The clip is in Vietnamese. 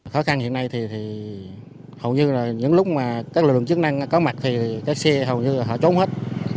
khó khăn hiện nay thì hầu như là những lúc mà các lực lượng chức năng có mặt thì các xe hầu như là họ trốn hết